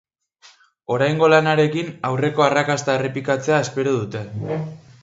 Oraingo lanarekin aurreko arrakasta errepikatzea espero dute.